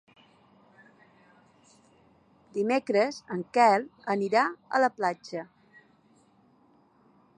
Dimecres en Quel anirà a la platja.